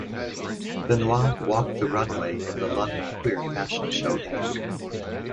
Benoit walked the runway in the London Queer Fashion Show that year.